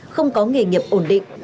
không có nghề nghiệp ổn định